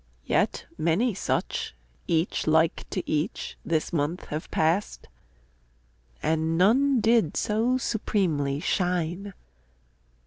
Yet many such, Each like to each, this month have passed, And none did so supremely shine.